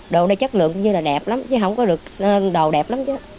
đồ ở đây chất lượng cũng như là đẹp lắm chứ không có được đồ đẹp lắm chứ